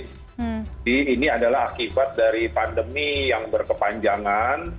jadi ini adalah akibat dari pandemi yang berkepanjangan